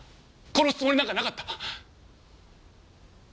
殺すつもりなんかなかった。